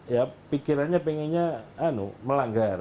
ya pikirannya pengennya melanggar